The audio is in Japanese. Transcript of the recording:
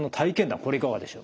これいかがでしょう？